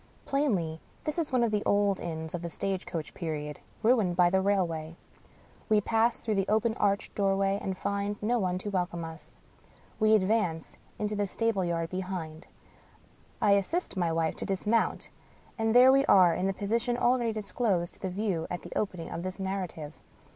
Plainly, this is one of the old inns of the stage coach period, ruined by the rail way. We pass through the open arched doorway, and find no one to welcome us. We advance into the stable yard behind ; I assist my wife to dismount — and there we are in the position already disclosed to view at the opening of this narrative.